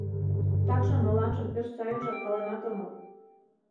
Такшым моланжым пеш сайынжак паленат омыл.